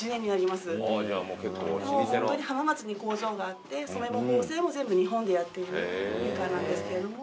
浜松に工場があって染めも縫製も全部日本でやっているメーカーなんですけれども。